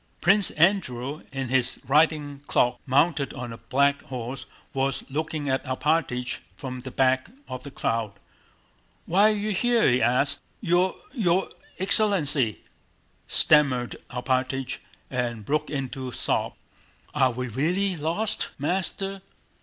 Prince Andrew in his riding cloak, mounted on a black horse, was looking at Alpátych from the back of the crowd. "Why are you here?" he asked. "Your... your excellency," stammered Alpátych and broke into sobs. "Are we really lost? Master!..."